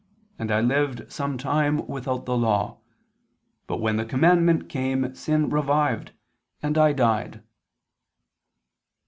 And I lived some time without the law. But when the commandment came sin revived; and I died."